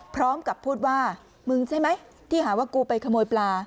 พร้อมกับพูดว่ามึงใช่ไหมที่หาว่ากูไปขโมยปลา